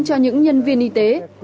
cho những nhân viên y tế